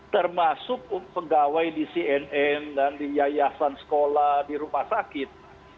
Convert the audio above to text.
termasuk pegawai di cnn dan di yayasan sekolah di rumah sakit